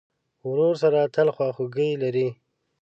ورور سره تل خواخوږی لرې.